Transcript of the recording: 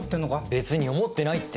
別に思ってないって。